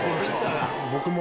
僕も。